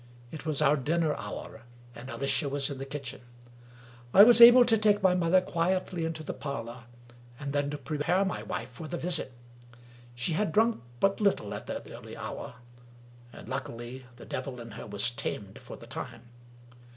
It was our dinner hour, and Alicia was in the kitchen. I was able to take my mother quietly into the parlor and then to prepare my wife for the visit. She had drunk but little at that early hour; and, luckily, the devil in her was tamed for the time.